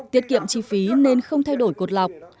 tiết kiệm chi phí nên không thay đổi cột lọc